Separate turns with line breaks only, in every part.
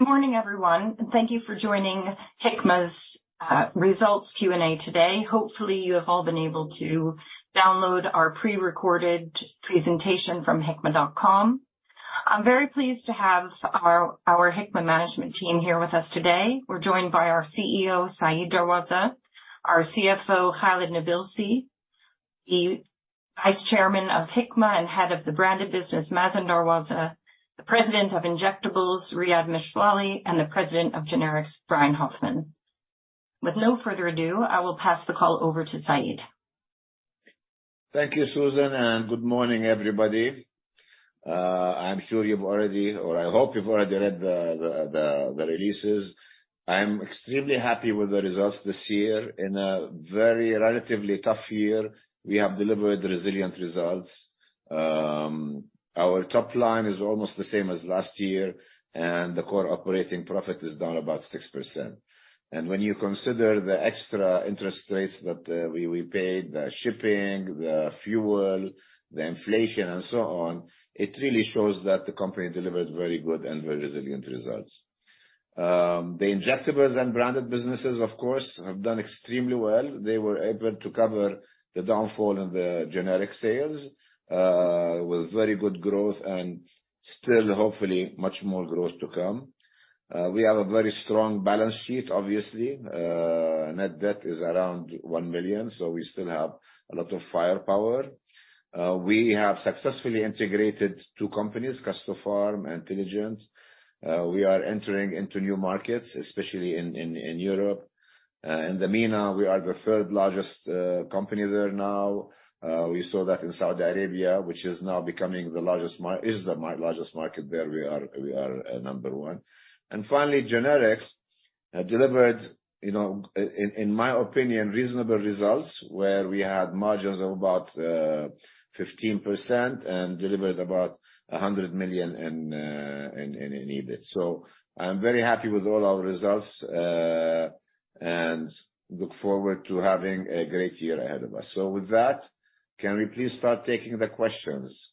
Morning, everyone, thank you for joining Hikma's results Q&A today. Hopefully, you have all been able to download our pre-recorded presentation from hikma.com. I'm very pleased to have our Hikma management team here with us today. We're joined by our CEO Said Darwazah, our CFO Khalid Nabilsi, the Vice Chairman of Hikma and Head of the Branded Business Mazen Darwazah, the President of Injectables Riad Mishlawi, and the President of Generics Brian Hoffmann. With no further ado, I will pass the call over to Said.
Thank you, Susan. Good morning, everybody. I'm sure you've already or I hope you've already read the releases. I'm extremely happy with the results this year. In a very relatively tough year, we have delivered resilient results. Our top line is almost the same as last year, and the core operating profit is down about 6%. When you consider the extra interest rates that we paid, the shipping, the fuel, the inflation, and so on, it really shows that the company delivers very good and very resilient results. The injectables and branded businesses, of course, have done extremely well. They were able to cover the downfall in the generic sales with very good growth and still hopefully much more growth to come. We have a very strong balance sheet, obviously. Net debt is around $1 million, so we still have a lot of firepower. We have successfully integrated two companies, Custopharm and Teligent. We are entering into new markets, especially in Europe. In the MENA, we are the third-largest company there now. We saw that in Saudi Arabia, which is now becoming the largest market there. We are, we are number one. Finally, generics delivered, you know, in my opinion, reasonable results, where we had margins of about 15% and delivered about $100 million in EBIT. I'm very happy with all our results, and look forward to having a great year ahead of us. With that, can we please start taking the questions?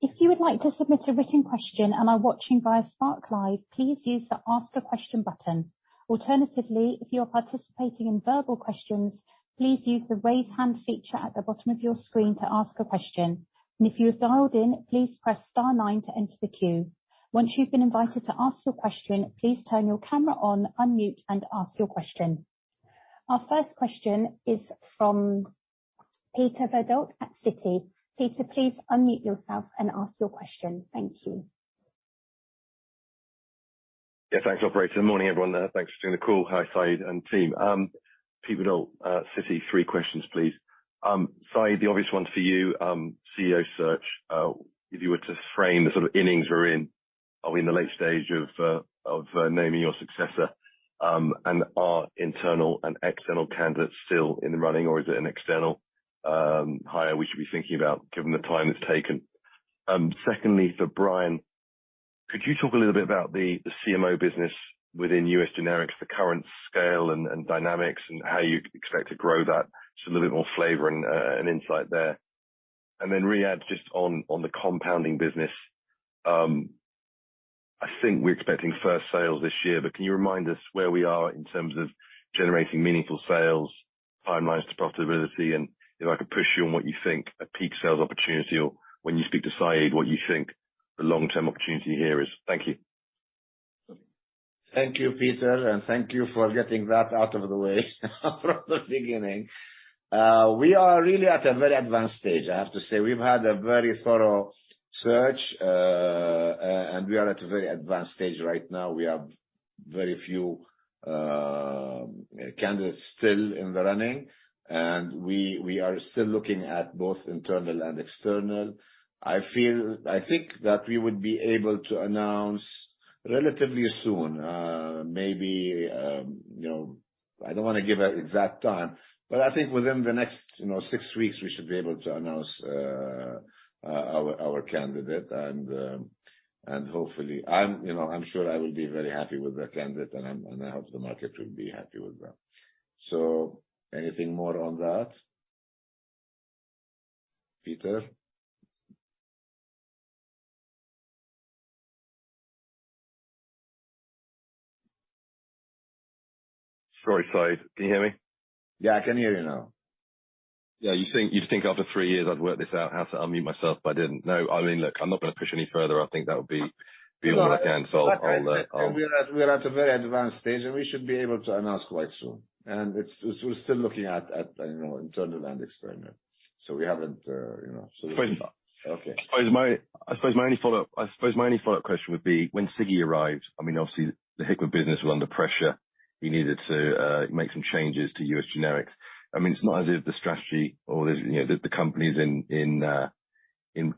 If you would like to submit a written question and are watching via SparkLive, please use the Ask a Question button. Alternatively, if you're participating in verbal questions, please use the Raise Hand feature at the bottom of your screen to ask a question. If you have dialed in, please press star nine to enter the queue. Once you've been invited to ask your question, please turn your camera on, unmute and ask your question. Our first question is from Peter Verdult at Citi. Peter, please unmute yourself and ask your question. Thank you.
Yeah. Thanks, operator. Morning, everyone. Thanks for doing the call. Hi, Said and team. Peter Verdult, Citi. Three questions, please. Said, the obvious one for you, CEO search. If you were to frame the sort of innings we're in, are we in the late stage of naming your successor? Are internal and external candidates still in the running, or is it an external hire we should be thinking about given the time it's taken? Secondly, for Brian, could you talk a little bit about the CMO business within U.S. Generics, the current scale and dynamics, and how you expect to grow that? Just a little bit more flavor and insight there. Riad, just on the compounding business, I think we're expecting first sales this year, but can you remind us where we are in terms of generating meaningful sales, timelines to profitability, and if I could push you on what you think a peak sales opportunity or when you speak to Said, what you think the long-term opportunity here is? Thank you.
Thank you, Peter, and thank you for getting that out of the way from the beginning. We are really at a very advanced stage, I have to say. We've had a very thorough search, and we are at a very advanced stage right now. We have very few candidates still in the running, and we are still looking at both internal and external. I think that we would be able to announce relatively soon, maybe, you know, I don't wanna give an exact time, but I think within the next, you know, six weeks, we should be able to announce our candidate and hopefully, I'm, you know, I'm sure I will be very happy with the candidate, and I hope the market will be happy with them. Anything more on that, Peter?
Sorry, Said. Can you hear me?
Yeah, I can hear you now.
Yeah. You'd think after three years I'd work this out how to unmute myself, but I didn't. No, I mean, look, I'm not gonna push any further. I think that would be all I can, so I'll.
We are at a very advanced stage, and we should be able to announce quite soon. It's, we're still looking at, you know, internal and external. We haven't, you know,
I suppose-
Okay.
I suppose my only follow-up question would be when Sigi arrived, I mean, obviously the Hikma business was under pressure. He needed to make some changes to U.S. Generics. I mean, it's not as if the strategy or the, you know, the company's in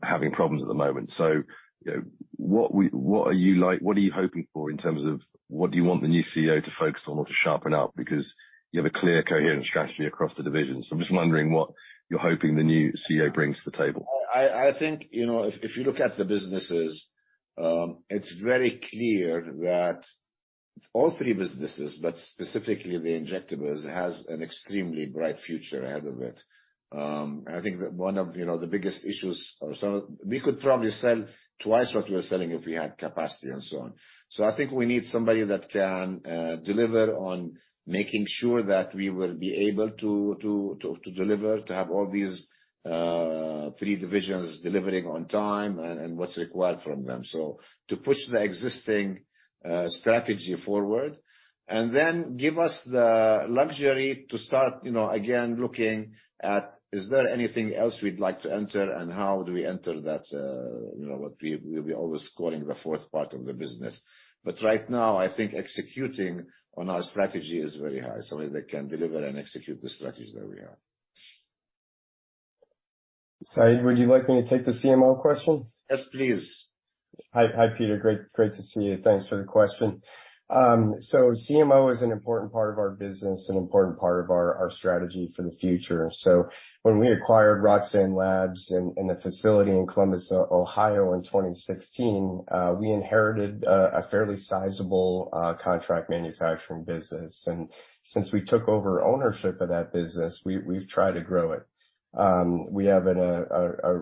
having problems at the moment. You know, what are you hoping for in terms of what do you want the new CEO to focus on or to sharpen up? Because you have a clear, coherent strategy across the divisions. I'm just wondering what you're hoping the new CEO brings to the table.
I think, you know, if you look at the businesses, it's very clear that All three businesses, but specifically the Injectables, has an extremely bright future ahead of it. I think that one of, you know, the biggest issues We could probably sell twice what we're selling if we had capacity and so on. I think we need somebody that can deliver on making sure that we will be able to deliver, to have all these three divisions delivering on time and what's required from them. To push the existing strategy forward give us the luxury to start, you know, again, looking at is there anything else we'd like to enter and how do we enter that, you know, what we'll be always calling the fourth part of the business. Right now, I think executing on our strategy is very high. Somebody that can deliver and execute the strategy that we have.
Said, would you like me to take the CMO question?
Yes, please.
Hi, Peter. Great to see you. Thanks for the question. CMO is an important part of our business and important part of our strategy for the future. When we acquired Roxane Laboratories in the facility in Columbus, Ohio in 2016, we inherited a fairly sizable contract manufacturing business. Since we took over ownership of that business, we've tried to grow it. We're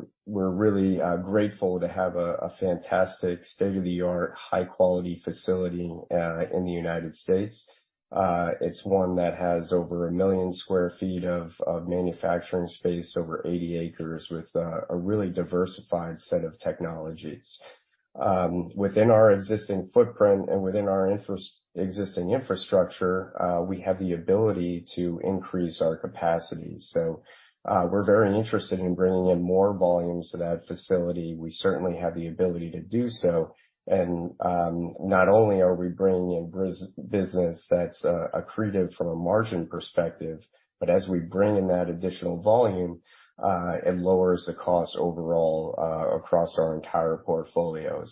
really grateful to have a fantastic state-of-the-art, high quality facility in the United States. It's one that has over 1 million sq ft of manufacturing space, over 80 acres with a really diversified set of technologies. Within our existing footprint and within our existing infrastructure, we have the ability to increase our capacity. We're very interested in bringing in more volumes to that facility. We certainly have the ability to do so. Not only are we bringing in business that's accretive from a margin perspective, but as we bring in that additional volume, it lowers the cost overall across our entire portfolio.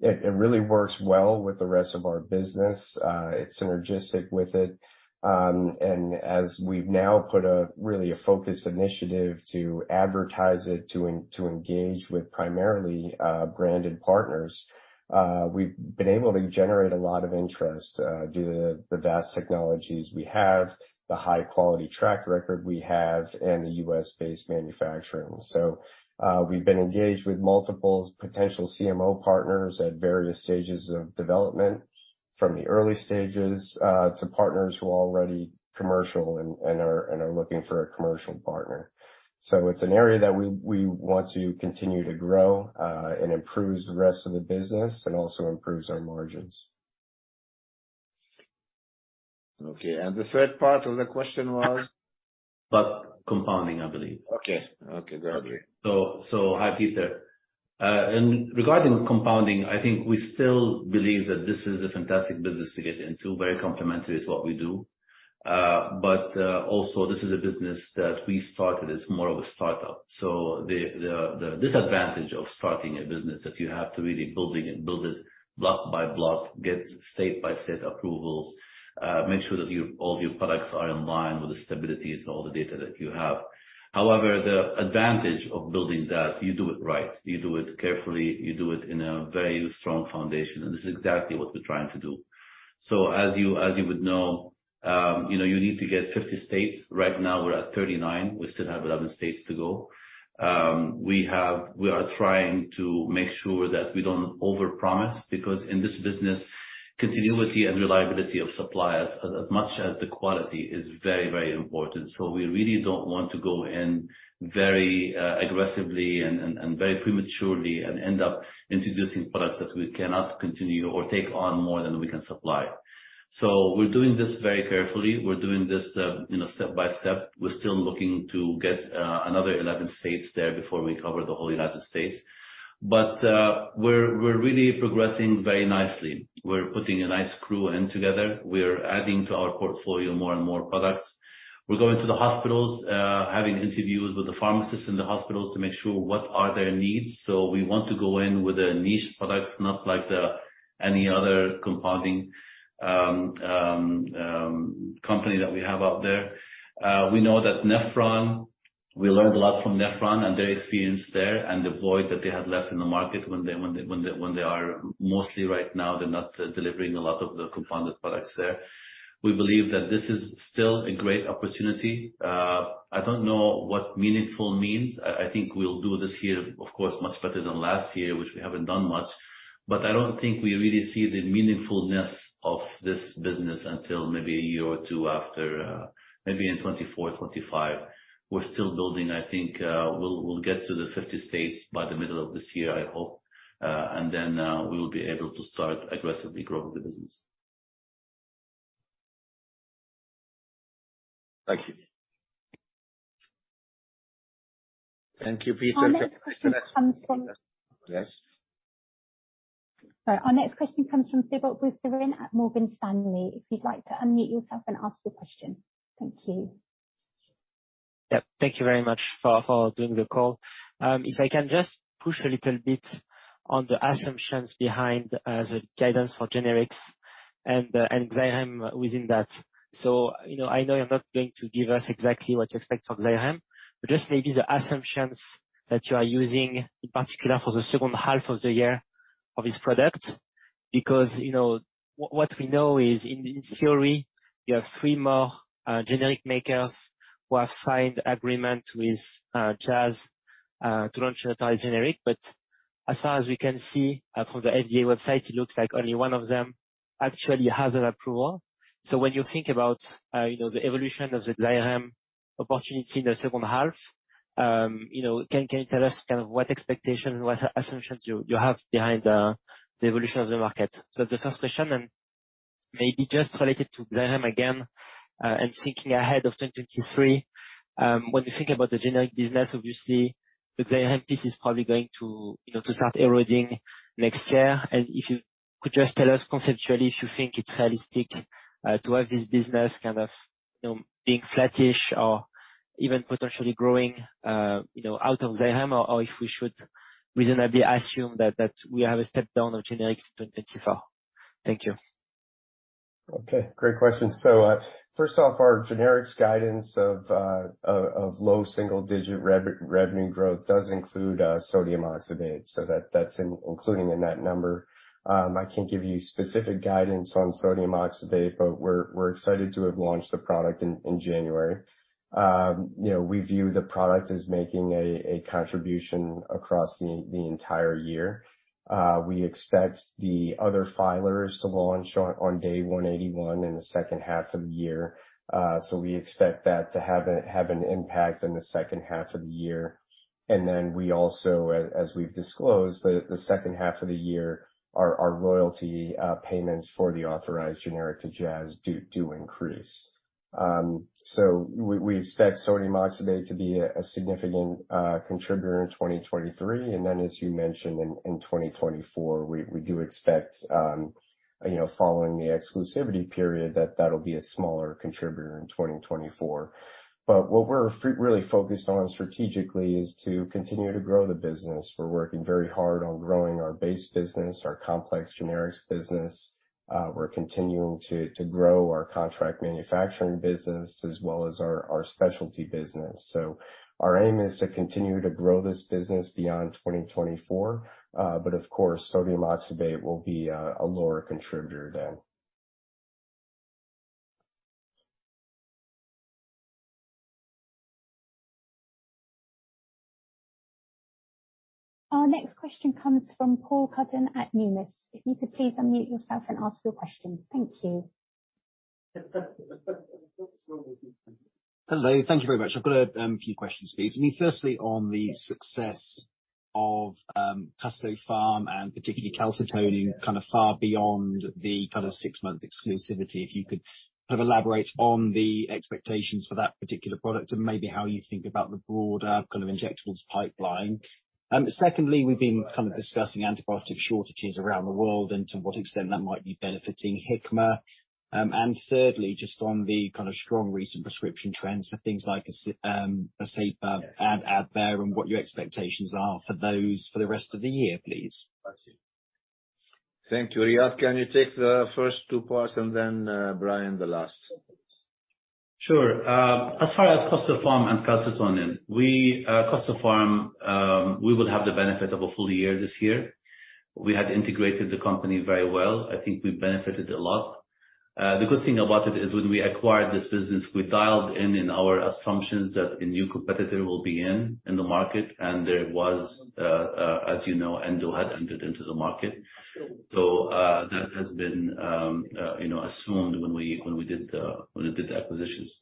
It, it really works well with the rest of our business. It's synergistic with it. As we've now put a really a focused initiative to advertise it, to engage with primarily, branded partners, we've been able to generate a lot of interest, due to the vast technologies we have, the high quality track record we have, and the U.S.-based manufacturing. We've been engaged with multiple potential CMO partners at various stages of development, from the early stages, to partners who are already commercial and are looking for a commercial partner. It's an area that we want to continue to grow and improves the rest of the business and also improves our margins.
Okay. The third part of the question was?
About compounding, I believe.
Okay. Okay. Got it.
Hi, Peter. Regarding compounding, I think we still believe that this is a fantastic business to get into, very complementary to what we do. Also this is a business that we started as more of a startup. The disadvantage of starting a business that you have to really build it block by block, get state by state approvals, make sure that all your products are in line with the stabilities and all the data that you have. However, the advantage of building that, you do it right, you do it carefully, you do it in a very strong foundation, and this is exactly what we're trying to do. As you would know, you know, you need to get 50 states. Right now we're at 39. We still have 11 states to go. We are trying to make sure that we don't overpromise, because in this business, continuity and reliability of suppliers, as much as the quality, is very, very important. We really don't want to go in very aggressively and very prematurely and end up introducing products that we cannot continue or take on more than we can supply. We're doing this very carefully. We're doing this, you know, step-by-step. We're still looking to get another 11 states there before we cover the whole United States. We're really progressing very nicely. We're putting a nice crew in together. We're adding to our portfolio more and more products. We're going to the hospitals, having interviews with the pharmacists in the hospitals to make sure what are their needs. We want to go in with a niche products, not like the any other compounding company that we have out there. We know that we learned a lot from Nephron and their experience there and the void that they had left in the market when they are mostly right now they're not delivering a lot of the compounded products there. We believe that this is still a great opportunity. I don't know what meaningful means. I think we'll do this year, of course much better than last year, which we haven't done much. I don't think we really see the meaningfulness of this business until maybe a year or two after, maybe in 2024, 2025. We're still building. I think, we'll get to the 50 states by the middle of this year, I hope. We will be able to start aggressively growing the business.
Thank you.
Thank you, Peter.
Our next question comes from.
Yes.
All right. Our next question comes from Thibault Boutherin at Morgan Stanley. If you'd like to unmute yourself and ask your question. Thank you.
Yep. Thank you very much for doing the call. If I can just push a little bit on the assumptions behind the guidance for generics and Xyrem within that. You know, I know you're not going to give us exactly what you expect from Xyrem, but just maybe the assumptions that you are using in particular for the second half of the year of this product. You know, what we know is in theory, you have three more generic makers who have signed agreement with Jazz to launch an entire generic. As far as we can see from the FDA website, it looks like only one of them actually has an approval. When you think about, you know, the evolution of the Xyrem opportunity in the second half, you know, can you tell us kind of what expectation, what assumptions you have behind the evolution of the market? The first question, and maybe just related to Xyrem again, and thinking ahead of 2023, when you think about the generic business, obviously the Xyrem piece is probably going to, you know, to start eroding next year. If you could just tell us conceptually if you think it's realistic, to have this business kind of, you know, being flattish or even potentially growing, you know, out of Xyrem, or if we should reasonably assume that we have a step down on generics in 2024. Thank you.
Okay, great question. First off, our generics guidance of low single digit revenue growth does include sodium oxybate. That's including in that number. I can't give you specific guidance on sodium oxybate, but we're excited to have launched the product in January. You know, we view the product as making a contribution across the entire year. We expect the other filers to launch on day 181 in the second half of the year. We expect that to have an impact in the second half of the year. Then we also, as we've disclosed, the second half of the year, our royalty payments for the authorized generic to Jazz do increase. So we expect sodium oxybate to be a significant contributor in 2023, and then as you mentioned in 2024, we do expect, you know, following the exclusivity period, that that'll be a smaller contributor in 2024. But what we're really focused on strategically is to continue to grow the business. We're working very hard on growing our base business, our complex generics business. We're continuing to grow our contract manufacturing business as well as our specialty business. So our aim is to continue to grow this business beyond 2024. But of course, sodium oxybate will be a lower contributor then.
Our next question comes from Paul Cuddon at Numis. If you could please unmute yourself and ask your question. Thank you.
Hello. Thank you very much. I've got a few questions, please. I mean, firstly on the success of Custopharm and particularly Calcitonin, kind of far beyond the kind of six-month exclusivity. If you could kind of elaborate on the expectations for that particular product and maybe how you think about the broader kind of injectables pipeline. Secondly, we've been kind of discussing antibiotic shortages around the world and to what extent that might be benefiting Hikma. Thirdly, just on the kind of strong recent prescription trends for things like Vascepa and Advair and what your expectations are for those for the rest of the year, please.
Thank you. Riad, can you take the first two parts and then Brian, the last?
Sure. As far as Custopharm and Calcitonin, we Custopharm, we will have the benefit of a full year this year. We had integrated the company very well. I think we benefited a lot. The good thing about it is when we acquired this business, we dialed in in our assumptions that a new competitor will be in the market, and there was, as you know, Endo had entered into the market. That has been, you know, assumed when we, when we did the, when we did the acquisitions.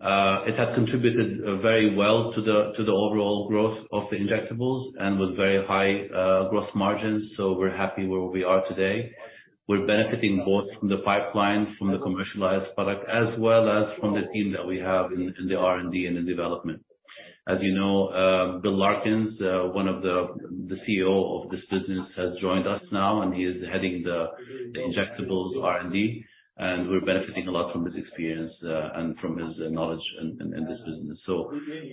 It has contributed very well to the overall growth of the injectables and with very high gross margins. We're happy where we are today. We're benefiting both from the pipeline, from the commercialized product, as well as from the team that we have in the R&D and the development. As you know, Bill Larkins, one of the CEO of this business, has joined us now. He is heading the injectables R&D. We're benefiting a lot from his experience and from his knowledge in this business.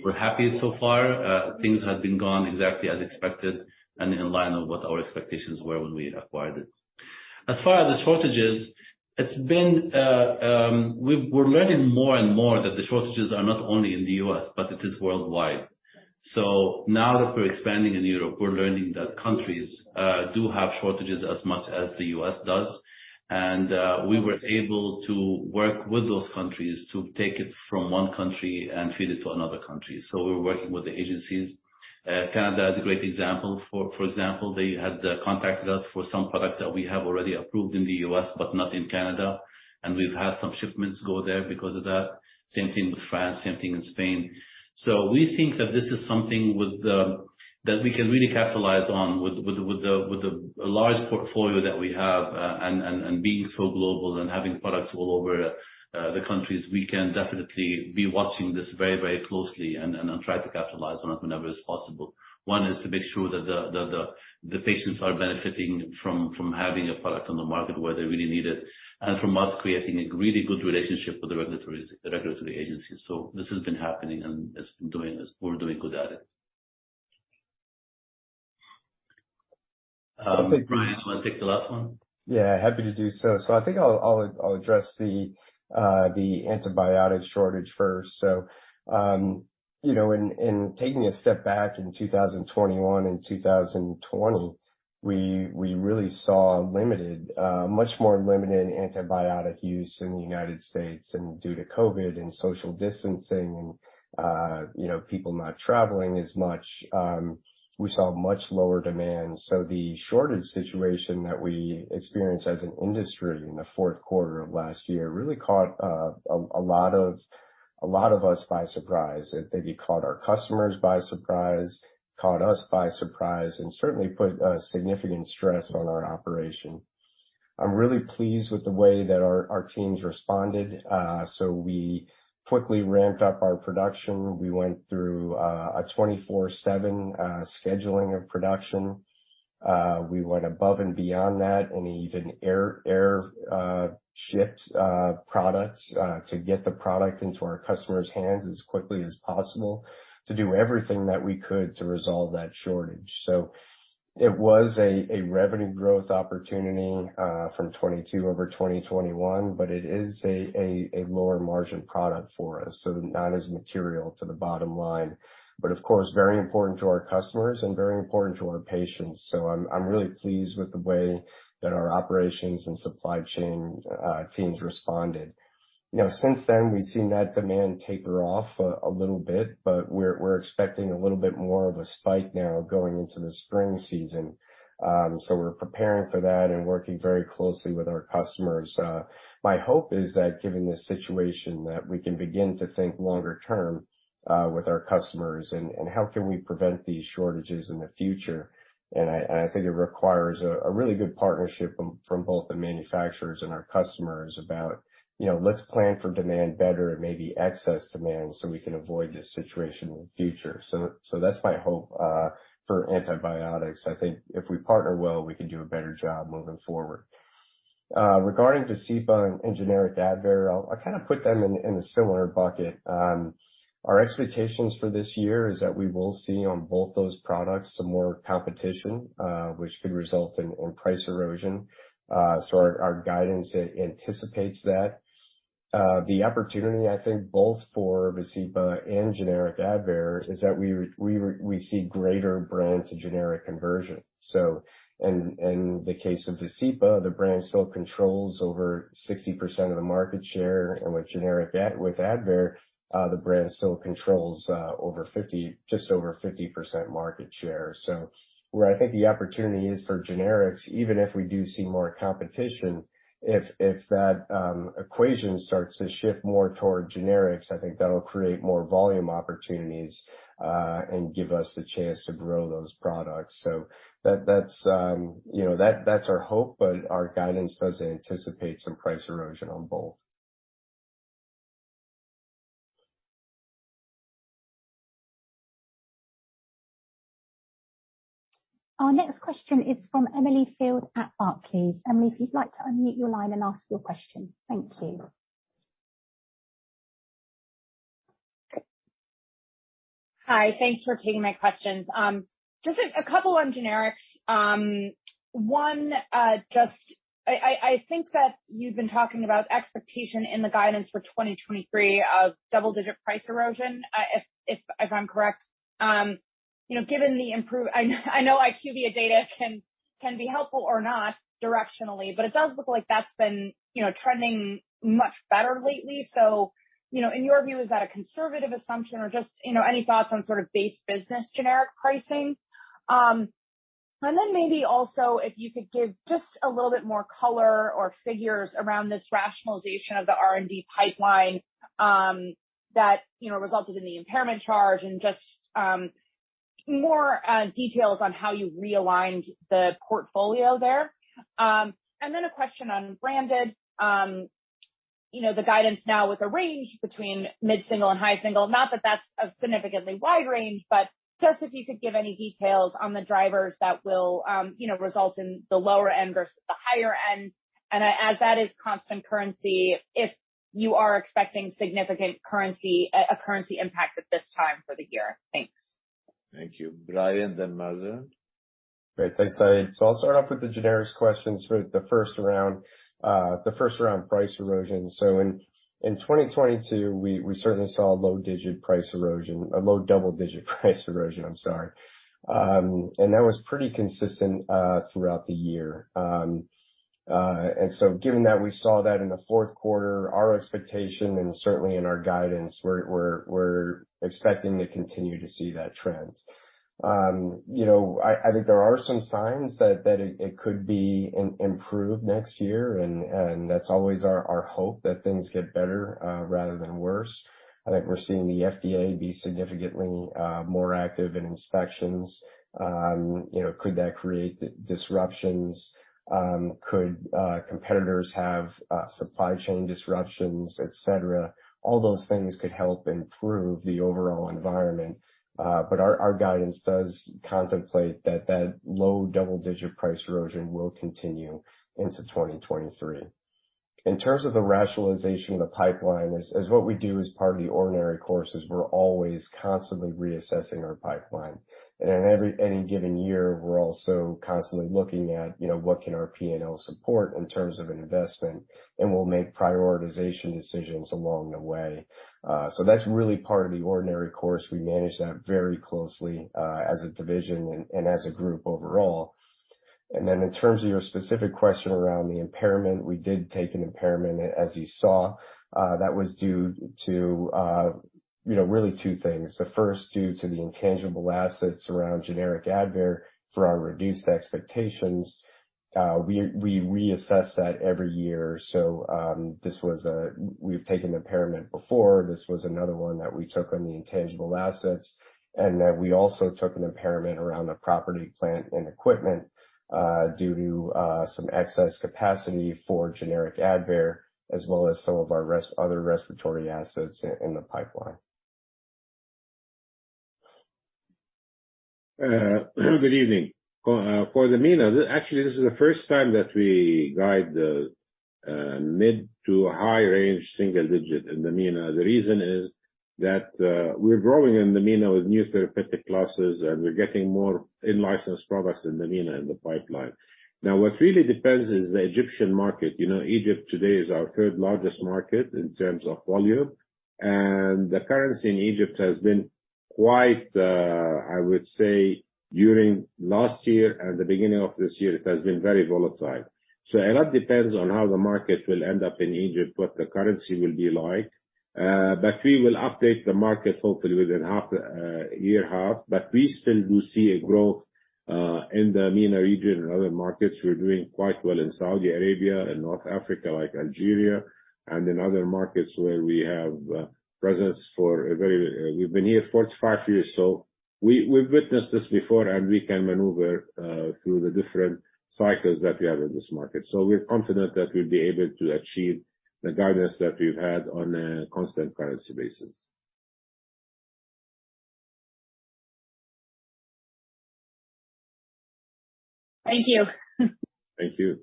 We're happy so far. Things have been gone exactly as expected and in line of what our expectations were when we acquired it. As far as the shortages, it's been, we're learning more and more that the shortages are not only in the U.S., but it is worldwide. Now that we're expanding in Europe, we're learning that countries do have shortages as much as the U.S. does. We were able to work with those countries to take it from one country and feed it to another country. We're working with the agencies. Canada is a great example. For example, they had contacted us for some products that we have already approved in the U.S., but not in Canada, and we've had some shipments go there because of that. Same thing with France, same thing in Spain. We think that this is something with that we can really capitalize on with the large portfolio that we have and being so global and having products all over the countries, we can definitely be watching this very, very closely and try to capitalize on it whenever it's possible. One is to make sure that the patients are benefiting from having a product on the market where they really need it, and from us creating a really good relationship with the regulatory agencies. This has been happening and it's been we're doing good at it.
Brian, do you want to take the last one?
Yeah, happy to do so. I think I'll address the antibiotic shortage first. You know, in taking a step back in 2021 and 2020, we really saw limited, much more limited antibiotic use in the United States and due to COVID and social distancing and, you know, people not traveling as much, we saw much lower demand. The shortage situation that we experienced as an industry in the fourth quarter of last year really caught a lot of us by surprise. It maybe caught our customers by surprise, caught us by surprise, and certainly put a significant stress on our operation. I'm really pleased with the way that our teams responded. We quickly ramped up our production. We went through a 24/7 scheduling of production. We went above and beyond that, and even air shipped products to get the product into our customers' hands as quickly as possible to do everything that we could to resolve that shortage. It was a revenue growth opportunity from 2022 over 2021, but it is a lower margin product for us, so not as material to the bottom line. Of course, very important to our customers and very important to our patients. I'm really pleased with the way that our operations and supply chain teams responded. You know, since then, we've seen that demand taper off a little bit, but we're expecting a little bit more of a spike now going into the spring season. We're preparing for that and working very closely with our customers. My hope is that given the situation that we can begin to think longer term with our customers and how can we prevent these shortages in the future. I think it requires a really good partnership from both the manufacturers and our customers about, you know, let's plan for demand better and maybe excess demand so we can avoid this situation in the future. That's my hope for antibiotics. I think if we partner well, we can do a better job moving forward. Regarding Vascepa and generic Advair, I'll kind of put them in a similar bucket. Our expectations for this year is that we will see on both those products some more competition, which could result in price erosion. Our, our guidance anticipates that. The opportunity, I think both for Vascepa and generic Advair is that we see greater brand to generic conversion. In the case of Vascepa, the brand still controls over 60% of the market share, and with generic Advair, the brand still controls just over 50% market share. Where I think the opportunity is for generics, even if we do see more competition, if that equation starts to shift more toward generics, I think that'll create more volume opportunities and give us the chance to grow those products. That's, you know, that's our hope, but our guidance does anticipate some price erosion on both.
Our next question is from Emily Field at Barclays. Emily, if you'd like to unmute your line and ask your question. Thank you.
Hi. Thanks for taking my questions. Just a couple on generics. One, just I think that you've been talking about expectation in the guidance for 2023 of double-digit price erosion, if I'm correct. You know, given I know IQVIA data can be helpful or not directionally, but it does look like that's been, you know, trending much better lately. In your view, is that a conservative assumption or just, you know, any thoughts on sort of base business generic pricing? Maybe also if you could give just a little bit more color or figures around this rationalization of the R&D pipeline, that, you know, resulted in the impairment charge and just more details on how you realigned the portfolio there. Then a question on branded. You know, the guidance now with a range between mid-single percent and high single percent, not that that's a significantly wide range, but just if you could give any details on the drivers that will, you know, result in the lower end versus the higher end. As that is constant currency, if you are expecting significant currency, a currency impact at this time for the year. Thanks.
Thank you. Brian, then Mazen.
Great. Thanks, Said. I'll start off with the generics questions for the first around price erosion. In 2022, we certainly saw low digit price erosion, a low double-digit price erosion, I'm sorry. That was pretty consistent throughout the year. Given that we saw that in the fourth quarter, our expectation and certainly in our guidance, we're expecting to continue to see that trend. You know, I think there are some signs that it could be improved next year, and that's always our hope that things get better rather than worse. I think we're seeing the FDA be significantly more active in inspections. You know, could that create disruptions? Could competitors have supply chain disruptions, et cetera? All those things could help improve the overall environment. But our guidance does contemplate that that low double-digit price erosion will continue into 2023. In terms of the rationalization of the pipeline, as what we do as part of the ordinary course is we're always constantly reassessing our pipeline. In every, any given year, we're also constantly looking at, you know, what can our P&L support in terms of investment, and we'll make prioritization decisions along the way. So that's really part of the ordinary course. We manage that very closely as a division and as a group overall. In terms of your specific question around the impairment, we did take an impairment, as you saw. That was due to, you know, really two things. The first due to the intangible assets around generic Advair for our reduced expectations. We reassess that every year. We've taken impairment before. This was another one that we took on the intangible assets. Then we also took an impairment around the property, plant, and equipment, due to some excess capacity for generic Advair, as well as some of our other respiratory assets in the pipeline.
Good evening. For the MENA, actually this is the first time that we guide the mid to high range single digit in the MENA. The reason is that we're growing in the MENA with new therapeutic classes, and we're getting more in-licensed products in the MENA in the pipeline. Now, what really depends is the Egyptian market. You know, Egypt today is our third largest market in terms of volume, and the currency in Egypt has been quite, I would say during last year and the beginning of this year, it has been very volatile. A lot depends on how the market will end up in Egypt, what the currency will be like. We will update the market hopefully within half the year half. We still do see a growth in the MENA region and other markets. We're doing quite well in Saudi Arabia and North Africa, like Algeria, and in other markets where we have presence for a very... we've been here 45 years, so we've witnessed this before and we can maneuver through the different cycles that we have in this market. We're confident that we'll be able to achieve the guidance that we've had on a constant currency basis.
Thank you.
Thank you.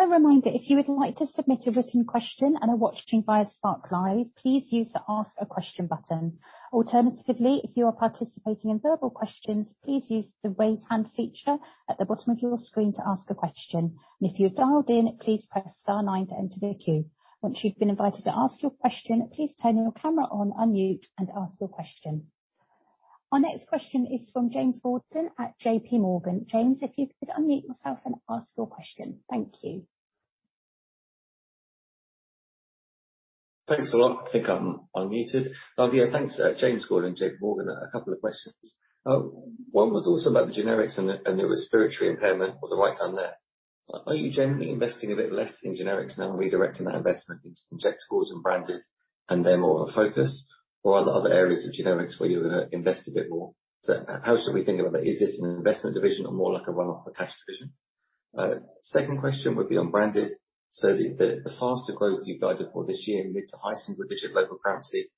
Just a reminder, if you would like to submit a written question and are watching via Spark Live, please use the Ask a Question button. Alternatively, if you are participating in verbal questions, please use the Raise Hand feature at the bottom of your screen to ask a question. If you have dialed in, please press star nine to enter the queue. Once you've been invited to ask your question, please turn your camera on, unmute and ask your question. Our next question is from James Gordon at JP Morgan. James, if you could unmute yourself and ask your question. Thank you.
Thanks a lot. I think I'm unmuted. Yeah, thanks. James Gordon, JP Morgan. A couple of questions. One was also about the generics and the respiratory impairment on the right-hand there. Are you generally investing a bit less in generics now and redirecting that investment into injectables and branded, and they're more a focus? Or are there other areas of generics where you're gonna invest a bit more? How should we think about that? Is this an investment division or more like a one-off cash division? Second question would be on branded. The faster growth you guided for this year, mid to high single digit local currency,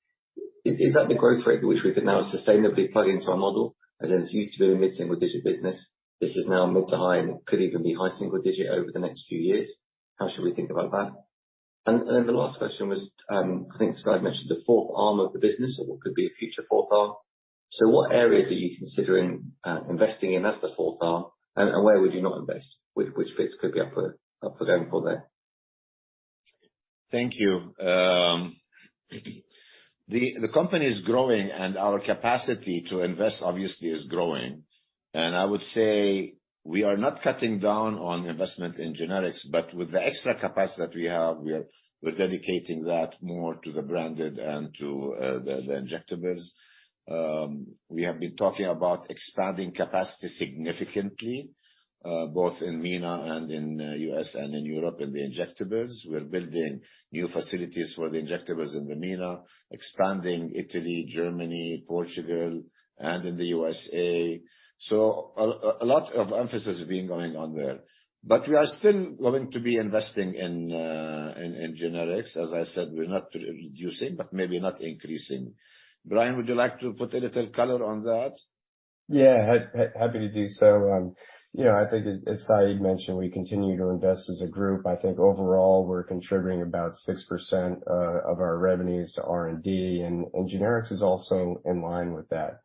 is that the growth rate at which we could now sustainably plug into our model? As in it used to be a mid-single digit business. This is now mid to high, and it could even be high single digit over the next few years. How should we think about that? The last question was, I think Said mentioned the fourth arm of the business or what could be a future fourth arm. What areas are you considering investing in as the fourth arm, and where would you not invest? Which bits could be up for downfall there?
Thank you. The company is growing and our capacity to invest obviously is growing. I would say we are not cutting down on investment in generics, but with the extra capacity that we have, we're dedicating that more to the branded and to the injectables. We have been talking about expanding capacity significantly, both in MENA and in U.S. and in Europe in the injectables. We're building new facilities for the injectables in the MENA, expanding Italy, Germany, Portugal, and in the U.S.A. A lot of emphasis has been going on there. We are still going to be investing in generics. As I said, we're not reducing, but maybe not increasing. Brian, would you like to put a little color on that?
Happy to do so. You know, I think as Said mentioned, we continue to invest as a group. I think overall, we're contributing about 6% of our revenues to R&D, and generics is also in line with that.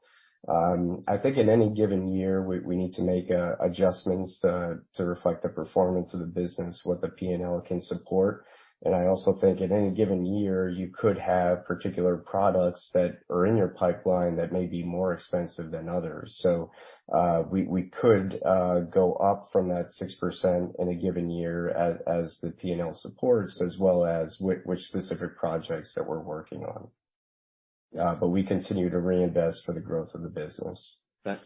I think in any given year, we need to make adjustments to reflect the performance of the business, what the P&L can support. I also think in any given year, you could have particular products that are in your pipeline that may be more expensive than others. We could go up from that 6% in a given year as the P&L supports, as well as which specific projects that we're working on. We continue to reinvest for the growth of the business.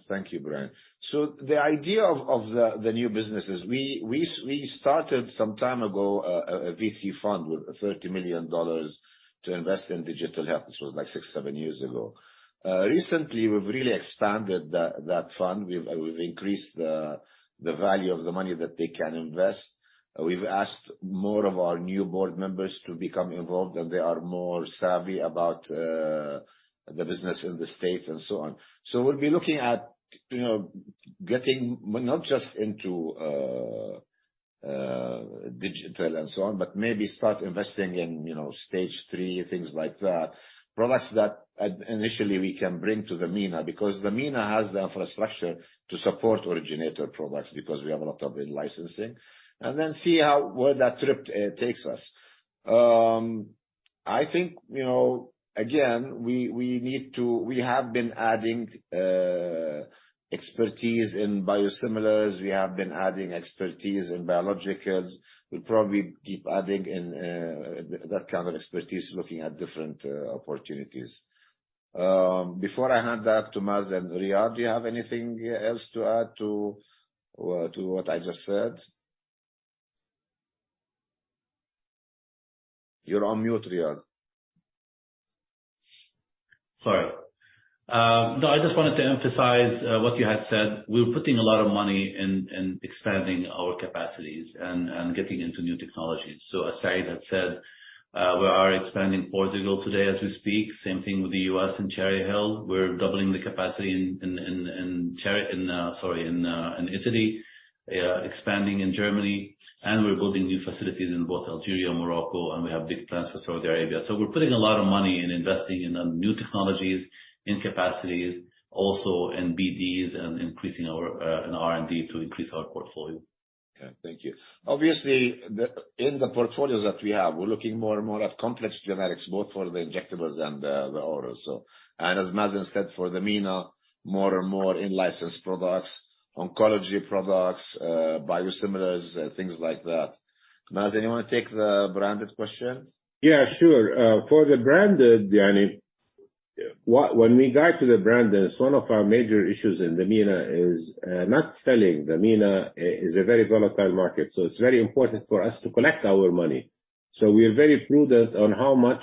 Thank you, Brian. The idea of the new businesses, we started some time ago a VC fund with $30 million to invest in digital health. This was like six, seven years ago. Recently, we've really expanded that fund. We've increased the value of the money that they can invest. We've asked more of our new board members to become involved, they are more savvy about the business in the States and so on. We'll be looking at, you know, getting not just into digital and so on, but maybe start investing in, you know, stage three, things like that. Products that initially we can bring to the MENA, because the MENA has the infrastructure to support originator products, because we have a lot of in-licensing. Then see how where that trip takes us. I think, you know, again, we need to. We have been adding expertise in biosimilars. We have been adding expertise in biologics. We'll probably keep adding in that kind of expertise, looking at different opportunities. Before I hand back to Mazen, Riad, do you have anything else to add to what I just said? You're on mute, Riad.
Sorry. No, I just wanted to emphasize what you had said. We're putting a lot of money in expanding our capacities and getting into new technologies. As Said had said, we are expanding Portugal today as we speak. Same thing with the U.S. in Cherry Hill. We're doubling the capacity in Italy. Expanding in Germany, and we're building new facilities in both Algeria and Morocco, and we have big plans for Saudi Arabia. We're putting a lot of money in investing in new technologies and capacities, also in BDs and increasing our in R&D to increase our portfolio.
Okay. Thank you. Obviously, in the portfolios that we have, we're looking more and more at complex generics, both for the injectables and the orals. As Mazen said, for the MENA, more and more in-licensed products, oncology products, biosimilars, things like that. Mazen, you wanna take the branded question?
Yeah, sure. For the branded, I mean, when we got to the branded, one of our major issues in the MENA is not selling. The MENA is a very volatile market. It's very important for us to collect our money. We are very prudent on how much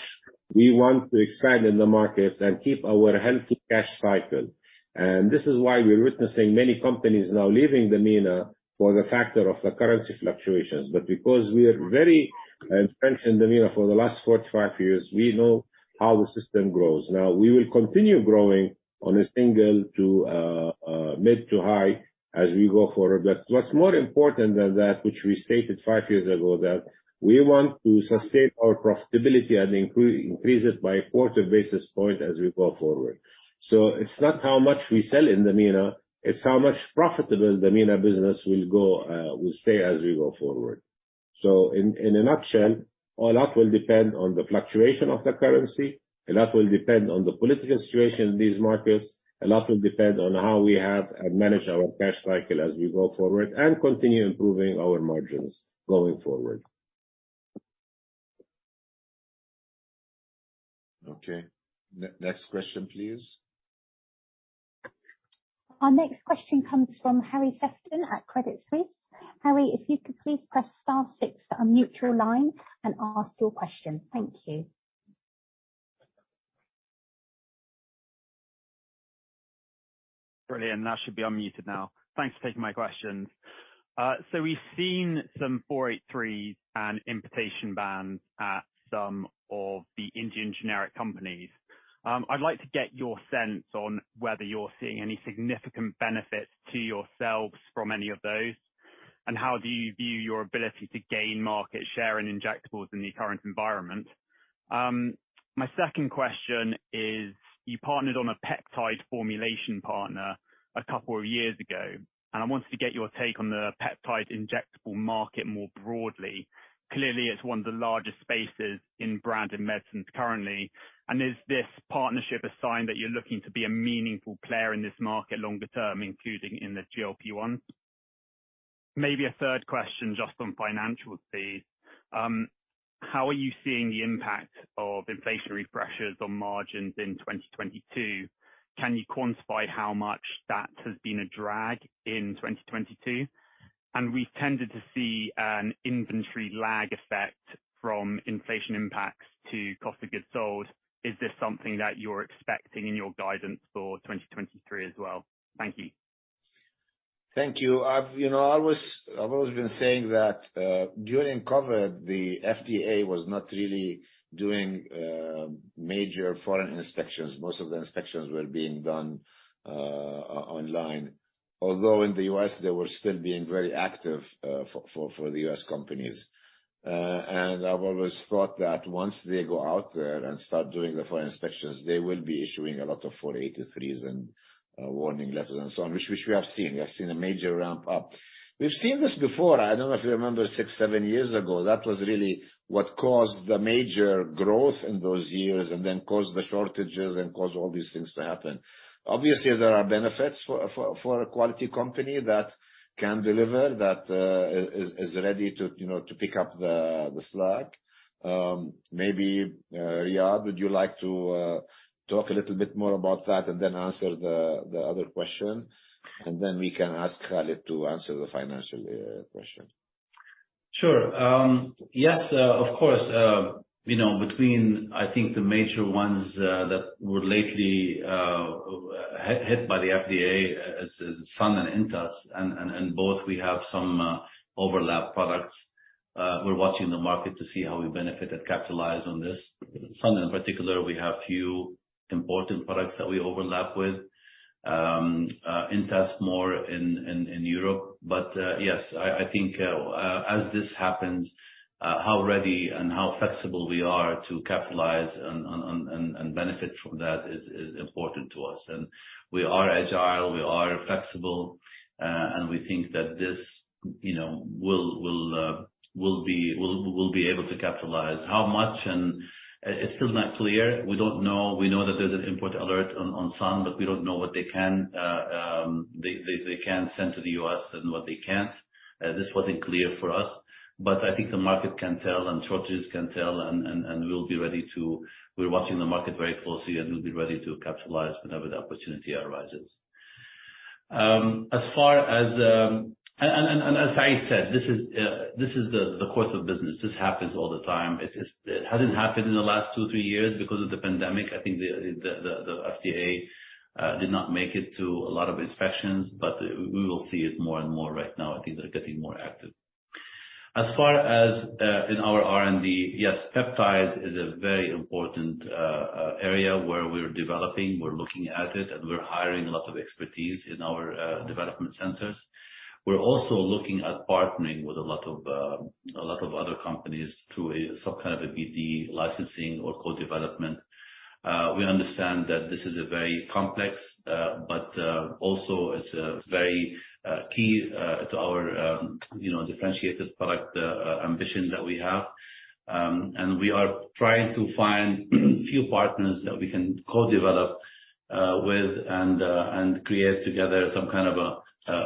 we want to expand in the markets and keep our healthy cash cycle. This is why we're witnessing many companies now leaving the MENA for the factor of the currency fluctuations. Because we are very entrenched in the MENA for the last 45 years, we know how the system grows. We will continue growing on a single to mid to high as we go forward. What's more important than that, which we stated five years ago, that we want to sustain our profitability and increase it by 40 basis points as we go forward. It's not how much we sell in the MENA, it's how much profitable the MENA business will stay as we go forward. In, in a nutshell, a lot will depend on the fluctuation of the currency. A lot will depend on the political situation in these markets. A lot will depend on how we have managed our cash cycle as we go forward and continue improving our margins going forward.
Okay. Next question, please.
Our next question comes from Harry Sephton at Credit Suisse. Harry, if you could please press star six to unmute your line and ask your question. Thank you.
Brilliant. I should be unmuted now. Thanks for taking my questions. We've seen some Form 483s and importation bans at some of the Indian generic companies. I'd like to get your sense on whether you're seeing any significant benefits to yourselves from any of those, and how do you view your ability to gain market share and injectables in the current environment? My second question is, you partnered on a peptide formulation partner two years ago, and I wanted to get your take on the peptide injectable market more broadly. Clearly, it's one of the largest spaces in branded medicines currently. Is this partnership a sign that you're looking to be a meaningful player in this market longer term, including in the GLP-1? Maybe a third question, just on financial fees. How are you seeing the impact of inflationary pressures on margins in 2022? Can you quantify how much that has been a drag in 2022? We've tended to see an inventory lag effect from inflation impacts to cost of goods sold. Is this something that you're expecting in your guidance for 2023 as well? Thank you.
Thank you. You know, I've always been saying that during COVID, the FDA was not really doing major foreign inspections. Most of the inspections were being done online. Although in the U.S., they were still being very active for the U.S. companies. I've always thought that once they go out there and start doing the foreign inspections, they will be issuing a lot of Form 483s and warning letters and so on, which we have seen. We have seen a major ramp up. We've seen this before. I don't know if you remember six, seven years ago. That was really what caused the major growth in those years and then caused the shortages and caused all these things to happen. Obviously, there are benefits for a quality company that can deliver, that is ready to, you know, to pick up the slack. Maybe Riad, would you like to talk a little bit more about that and then answer the other question? Then we can ask Khalid to answer the financial question.
Sure. Yes, of course. You know, between, I think the major ones that were lately hit by the FDA as Sun and Intas and both we have some overlap products. We're watching the market to see how we benefit and capitalize on this. Sun, in particular, we have few important products that we overlap with. Intas more in Europe. Yes, I think as this happens, how ready and how flexible we are to capitalize on and benefit from that is important to us. We are agile, we are flexible, and we think that this, you know, will be able to capitalize. How much and... It's still not clear. We don't know. We know that there's an input alert on Sun, we don't know what they can send to the U.S. and what they can't. This wasn't clear for us, I think the market can tell and shortages can tell. We're watching the market very closely, and we'll be ready to capitalize whenever the opportunity arises. As Said said, this is the course of business. This happens all the time. It hasn't happened in the last two, three years because of the pandemic. I think the FDA did not make it to a lot of inspections, we will see it more and more right now. I think they're getting more active. As far as in our R&D, yes, peptides is a very important area where we're developing. We're looking at it, and we're hiring a lot of expertise in our development centers. We're also looking at partnering with a lot of other companies through some kind of a BD licensing or co-development. We understand that this is a very complex, but also it's a very key to our, you know, differentiated product ambition that we have. We are trying to find few partners that we can co-develop with and create together some kind of a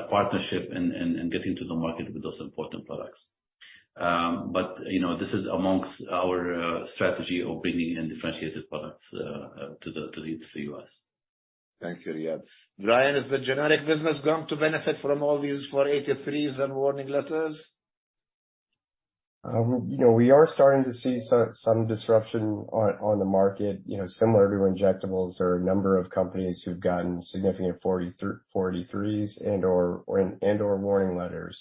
partnership in getting to the market with those important products. You know, this is amongst our strategy of bringing in differentiated products to the U.S.
Thank you, Riad. Brian, is the generic business going to benefit from all these Form 483s and warning letters?
You know, we are starting to see some disruption on the market. You know, similar to injectables, there are a number of companies who've gotten significant Form 483s and/or, and/or warning letters.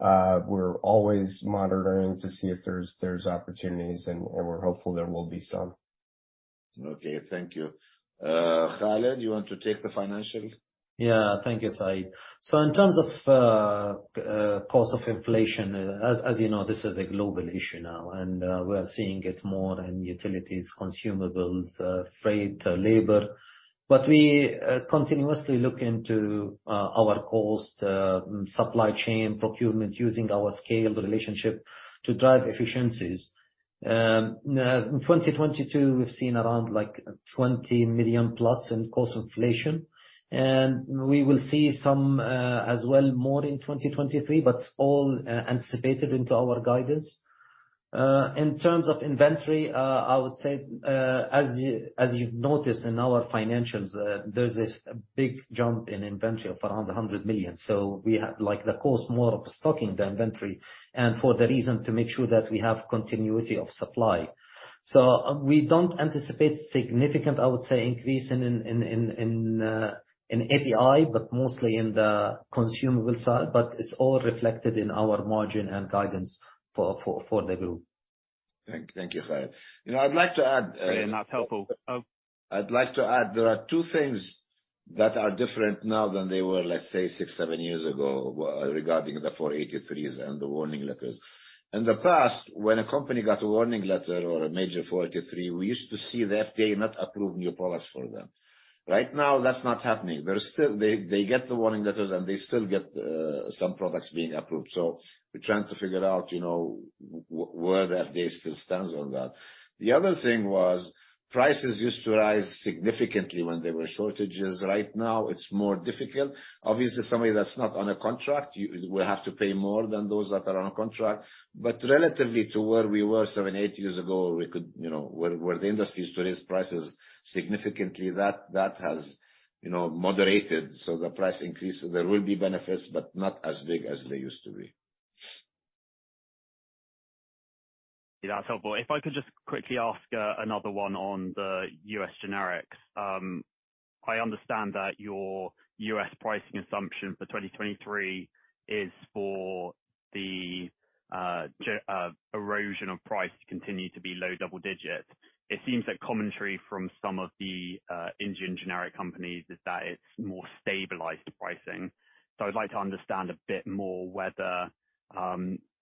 We're always monitoring to see if there's opportunities, and we're hopeful there will be some.
Okay. Thank you. Khalid, you want to take the financial?
Yeah. Thank you, Said. In terms of cost of inflation, as you know, this is a global issue now, and we are seeing it more in utilities, consumables, freight, labor. We continuously look into our cost, supply chain procurement using our scaled relationship to drive efficiencies. In 2022, we've seen around like $20 million+ in cost inflation, and we will see some as well more in 2023, but all anticipated into our guidance. In terms of inventory, I would say, as you've noticed in our financials, there's this big jump in inventory of around $100 million. We have like the cost more of stocking the inventory, and for the reason to make sure that we have continuity of supply. We don't anticipate significant, I would say, increase in API, but mostly in the consumable side, but it's all reflected in our margin and guidance for the group.
Thank you, Khalid. You know, I'd like to add.
That's helpful. Oh.
I'd like to add, there are two things that are different now than they were, let's say, six, seven years ago, regarding the Form 483s and the warning letters. In the past, when a company got a warning letter or a major Form 483, we used to see the FDA not approve new products for them. Right now, that's not happening. They still get the warning letters, and they still get some products being approved. We're trying to figure out, you know, where the FDA still stands on that. The other thing was prices used to rise significantly when there were shortages. Right now, it's more difficult. Obviously, somebody that's not on a contract, you will have to pay more than those that are on a contract. Relatively to where we were seven, eight years ago, we could, you know, where the industry used to raise prices significantly, that has, you know, moderated. The price increase, there will be benefits, but not as big as they used to be.
Yeah, that's helpful. If I could just quickly ask another one on the U.S. generics. I understand that your U.S. pricing assumption for 2023 is for the erosion of price to continue to be low double digits. It seems that commentary from some of the Indian generic companies is that it's more stabilized pricing. I'd like to understand a bit more whether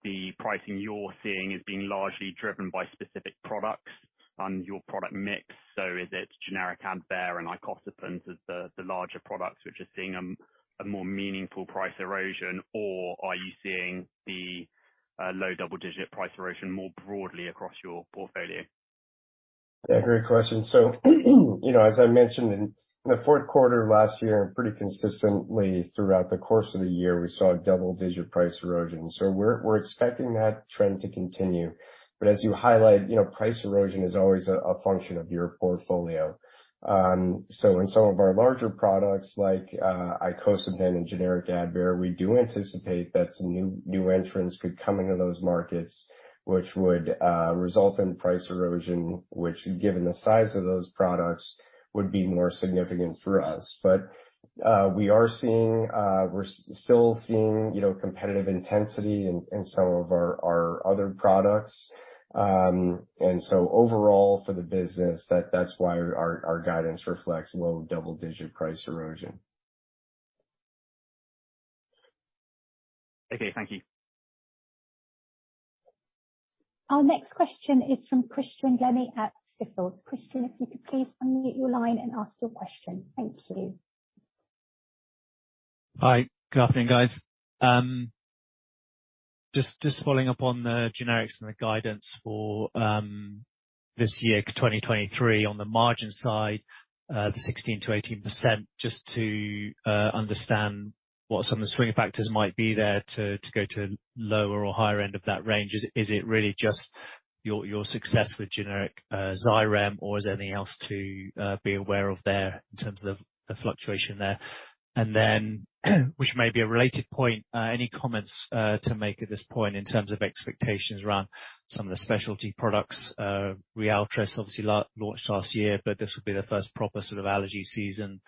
the pricing you're seeing is being largely driven by specific products and your product mix. Is it generic Advair and icosapent ethyl as the larger products which are seeing a more meaningful price erosion? Or are you seeing the low double-digit price erosion more broadly across your portfolio?
Great question. As I mentioned in the fourth quarter last year and pretty consistently throughout the course of the year, we saw double-digit price erosion. We're expecting that trend to continue. As you highlight, you know, price erosion is always a function of your portfolio. In some of our larger products like icosapent and generic Advair, we do anticipate that some new entrants could come into those markets which would result in price erosion, which given the size of those products, would be more significant for us. We are seeing, we're still seeing, you know, competitive intensity in some of our other products. Overall for the business, that's why our guidance reflects low double-digit price erosion.
Okay. Thank you.
Our next question is from Christian Glennie at Stifel. Christian, if you could please unmute your line and ask your question. Thank you.
Hi. Good afternoon, guys. Just following up on the generics and the guidance for this year, 2023 on the margin side, the 16%-18%, just to understand what some of the swinging factors might be there to go to lower or higher end of that range. Is it really just your success with generic Xyrem or is there anything else to be aware of there in terms of the fluctuation there? Then, which may be a related point, any comments to make at this point in terms of expectations around some of the specialty products, RYALTRIS obviously launched last year, but this will be the first proper sort of allergy season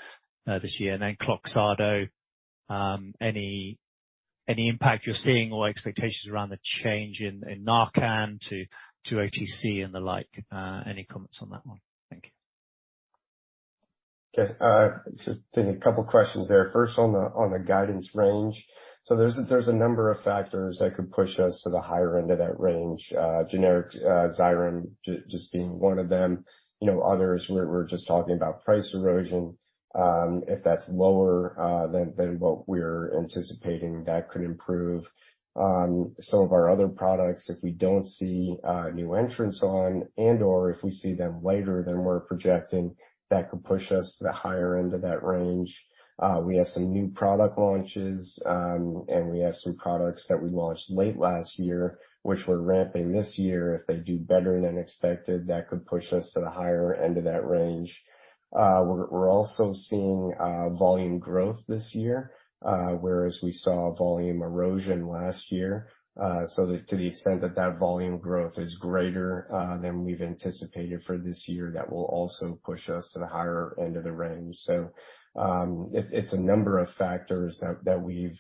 this year? KLOXXADO, any impact you're seeing or expectations around the change in Narcan to OTC and the like. Any comments on that one? Thank you.
Okay. There's a couple questions there. First on the, on the guidance range. There's a number of factors that could push us to the higher end of that range. Generic Xyrem just being one of them. You know, others we're just talking about price erosion. If that's lower than what we're anticipating, that could improve. Some of our other products, if we don't see new entrants on and/or if we see them later than we're projecting, that could push us to the higher end of that range. We have some new product launches, and we have some products that we launched late last year, which we're ramping this year. If they do better than expected, that could push us to the higher end of that range. We're also seeing volume growth this year, whereas we saw volume erosion last year. To the extent that that volume growth is greater than we've anticipated for this year, that will also push us to the higher end of the range. It's a number of factors that we've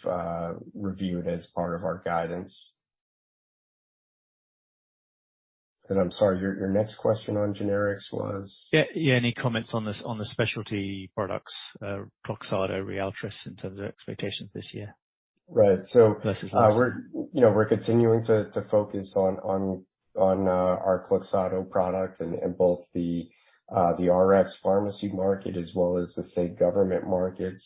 reviewed as part of our guidance. I'm sorry, your next question on generics was?
Yeah, any comments on the, on the specialty products, KLOXXADO, RYALTRIS, in terms of expectations this year?
Right.
Versus last
we're, you know, we're continuing to focus on our KLOXXADO product in both the RX pharmacy market as well as the state government market.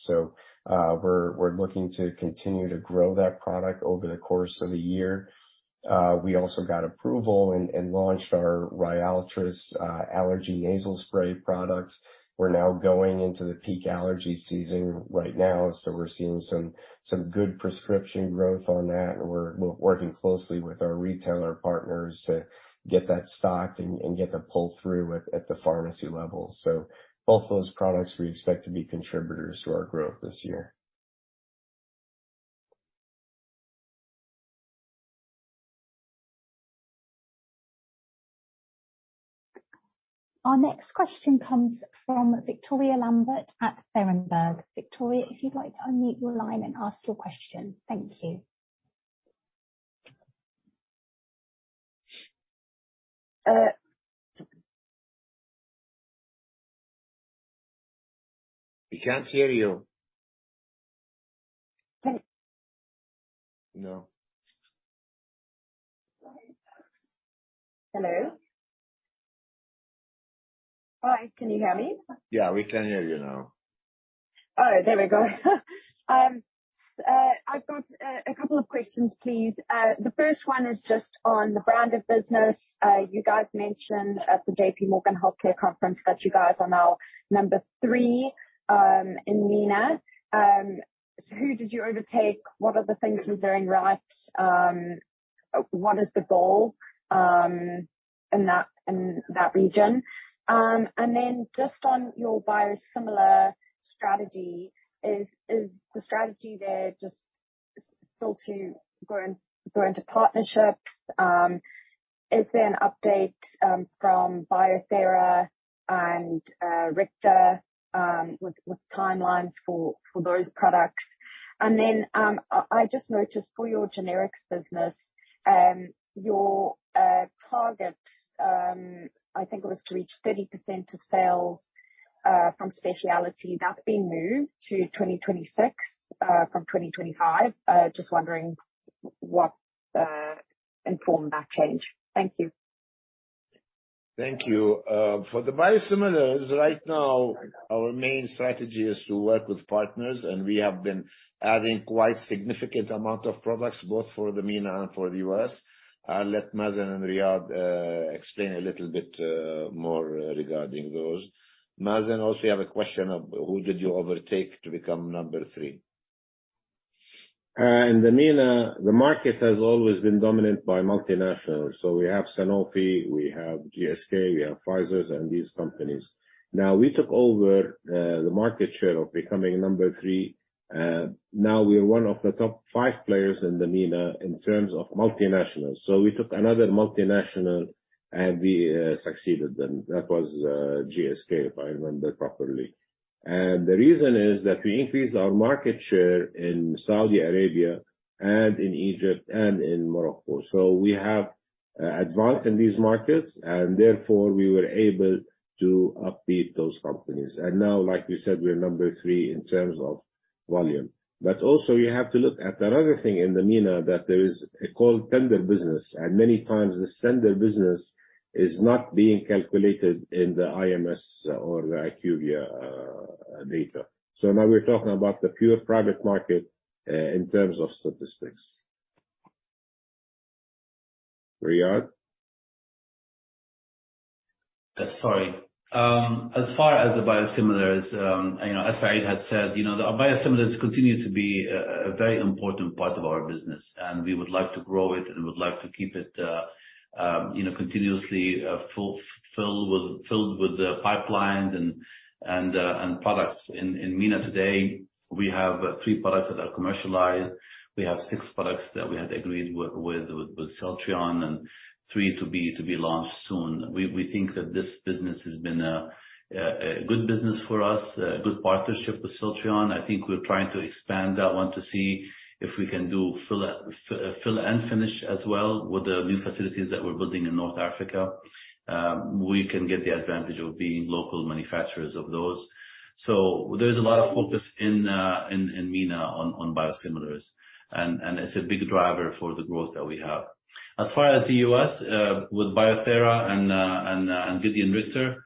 We're looking to continue to grow that product over the course of the year. We also got approval and launched our RYALTRIS allergy nasal spray products. We're now going into the peak allergy season right now, so we're seeing some good prescription growth on that. We're working closely with our retailer partners to get that stocked and get the pull-through at the pharmacy level. Both those products we expect to be contributors to our growth this year.
Our next question comes from Victoria Lambert at Berenberg. Victoria, if you'd like to unmute your line and ask your question. Thank you.
Uh.
We can't hear you.
Okay.
No.
Hello? Hi, can you hear me?
Yeah, we can hear you now.
Oh, there we go. I've got a couple of questions, please. The first one is just on the brand of business. You guys mentioned at the J.P. Morgan Healthcare Conference that you guys are now number three in MENA. Who did you overtake? What are the things you're doing right? What is the goal in that region? Just on your biosimilar strategy, is the strategy there just still to go into partnerships? Is there an update from Biothera and Rikta with timelines for those products? I just noticed for your generics business, your target, I think it was to reach 30% of sales from specialty that's being moved to 2026 from 2025. Just wondering what informed that change. Thank you.
Thank you. For the biosimilars, right now our main strategy is to work with partners. We have been adding quite significant amount of products both for the MENA and for the U.S.. I'll let Mazen and Riad, explain a little bit, more regarding those. Mazen, also you have a question of, who did you overtake to become number three?
In the MENA, the market has always been dominant by multinationals. We have Sanofi, we have GSK, we have Pfizer and these companies. We took over the market share of becoming number three... Now we are one of the top five players in the MENA in terms of multinationals. We took another multinational, and we succeeded them. That was GSK, if I remember properly. The reason is that we increased our market share in Saudi Arabia and in Egypt and in Morocco. We have advanced in these markets, and therefore, we were able to upbeat those companies. Now, like we said, we are number three in terms of volume. Also, you have to look at another thing in the MENA, that there is a called tender business, and many times this tender business is not being calculated in the IMS or the IQVIA data. Now we're talking about the pure private market in terms of statistics. Riad?
As far as the biosimilars, you know, as Said has said, you know, our biosimilars continue to be a very important part of our business, and we would like to grow it and would like to keep it, you know, continuously filled with the pipelines and products. In MENA today, we have three products that are commercialized. We have six products that we have agreed with Celltrion and three to be launched soon. We think that this business has been a good business for us, a good partnership with Celltrion. I think we're trying to expand that one to see if we can do fill and finish as well with the new facilities that we're building in North Africa. We can get the advantage of being local manufacturers of those. There's a lot of focus in MENA on biosimilars, and it's a big driver for the growth that we have. As far as the U.S., with Biothera and Vidian Therapeutics,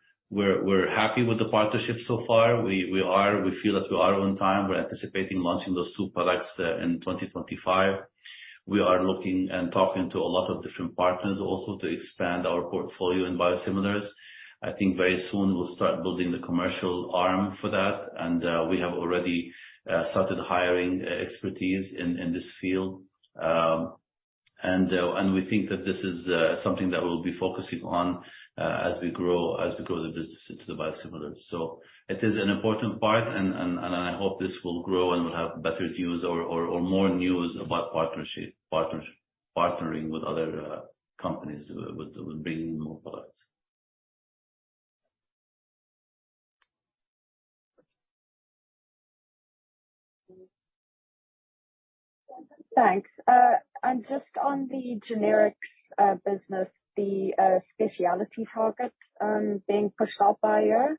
we feel that we are on time. We're anticipating launching those two products in 2025. We are looking and talking to a lot of different partners also to expand our portfolio in biosimilars. I think very soon we'll start building the commercial arm for that, and we have already started hiring expertise in this field. We think that this is something that we'll be focusing on as we grow the business into the biosimilars. So it is an important part, and I hope this will grow, and we'll have better news or more news about partnership, partnering with other companies with bringing more products.
Thanks. Just on the generics business, the specialty target being pushed out by a year,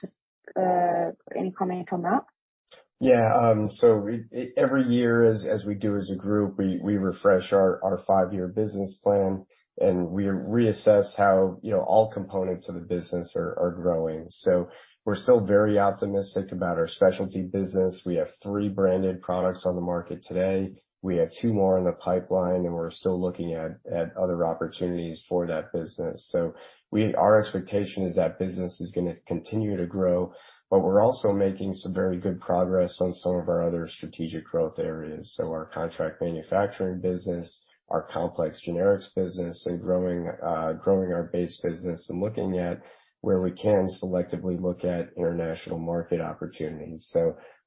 just any comment on that?
Yeah. Every year as we do as a group, we refresh our five-year business plan, and we reassess how, you know, all components of the business are growing. We're still very optimistic about our specialty business. We have three branded products on the market today. We have two more in the pipeline, and we're still looking at other opportunities for that business. Our expectation is that business is gonna continue to grow, but we're also making some very good progress on some of our other strategic growth areas. Our contract manufacturing business, our complex generics business, and growing our base business and looking at where we can selectively look at international market opportunities.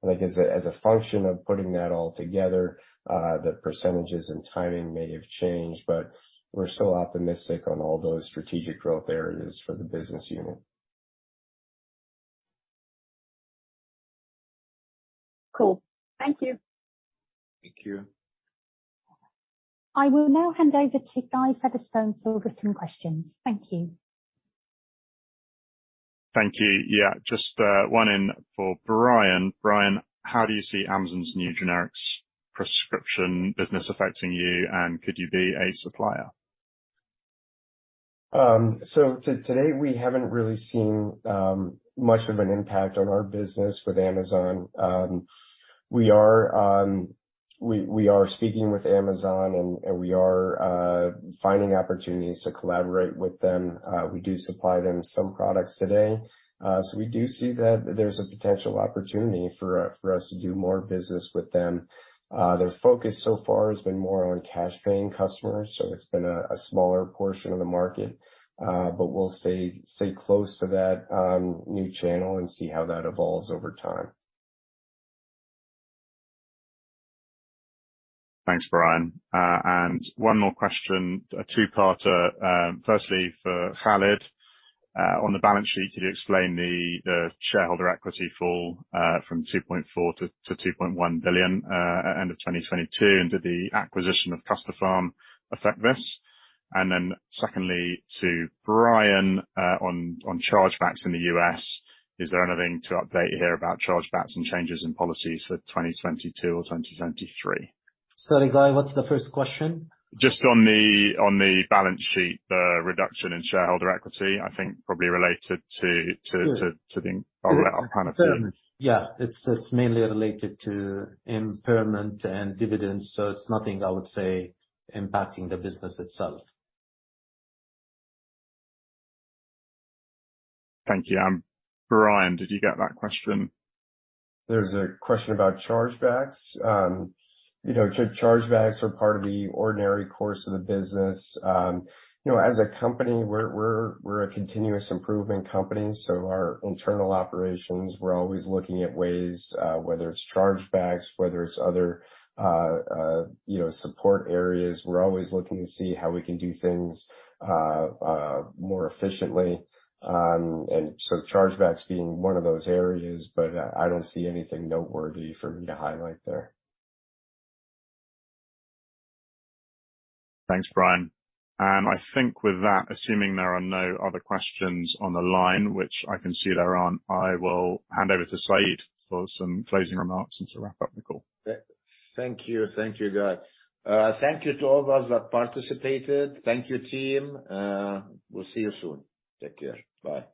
I think as a function of putting that all together, the percentages and timing may have changed, but we're still optimistic on all those strategic growth areas for the business unit.
Cool. Thank you.
Thank you.
I will now hand over to Guy Featherstone for written questions. Thank you.
Thank you. Yeah. Just, one in for Brian. Brian, how do you see Amazon's new generics prescription business affecting you, and could you be a supplier?
To date, we haven't really seen much of an impact on our business with Amazon. We are speaking with Amazon, and we are finding opportunities to collaborate with them. We do supply them some products today. We do see that there's a potential opportunity for us to do more business with them. Their focus so far has been more on cash paying customers, so it's been a smaller portion of the market. We'll stay close to that new channel and see how that evolves over time.
Thanks, Brian. One more question, a two-parter. Firstly, for Khalid. On the balance sheet, could you explain the shareholder equity fall from $2.4 billion to $2.1 billion at end of 2022? Did the acquisition of Custopharm affect this? Secondly, to Brian, on chargebacks in the U.S., is there anything to update here about chargebacks and changes in policies for 2022 or 2023?
Sorry, Guy. What's the first question?
Just on the balance sheet, the reduction in shareholder equity, I think probably related.
Yeah.
To the-- or kind of the-
Yeah. It's mainly related to impairment and dividends. It's nothing I would say impacting the business itself.
Thank you. Brian, did you get that question?
There's a question about chargebacks. You know, chargebacks are part of the ordinary course of the business. You know, as a company, we're a continuous improvement company, so our internal operations, we're always looking at ways, whether it's chargebacks, whether it's other, you know, support areas. We're always looking to see how we can do things more efficiently. Chargebacks being one of those areas. I don't see anything noteworthy for me to highlight there.
Thanks, Brian. I think with that, assuming there are no other questions on the line, which I can see there aren't, I will hand over to Said for some closing remarks and to wrap up the call.
Thank you. Thank you, Guy. Thank you to all of us that participated. Thank you, team. We'll see you soon. Take care. Bye.